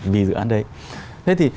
vì dự án đấy thế thì